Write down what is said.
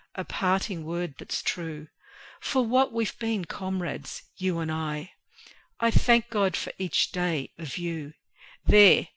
a parting word that's true, For we've been comrades, you and I I THANK GOD FOR EACH DAY OF YOU; There!